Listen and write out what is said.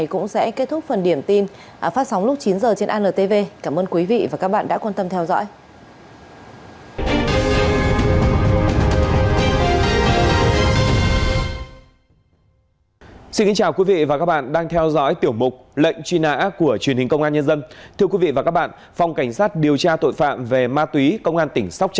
cảm ơn quý vị và các bạn đã quan tâm theo dõi